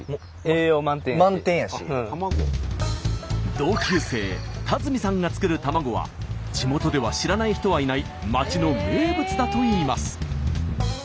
同級生田隅さんが作る卵は地元では知らない人はいない町の名物だといいます。